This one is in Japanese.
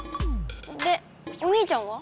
でお兄ちゃんは？